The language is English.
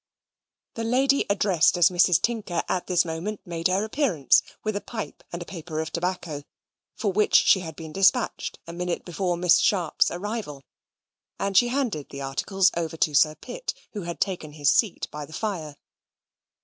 Ho, ho!" The lady addressed as Mrs. Tinker at this moment made her appearance with a pipe and a paper of tobacco, for which she had been despatched a minute before Miss Sharp's arrival; and she handed the articles over to Sir Pitt, who had taken his seat by the fire.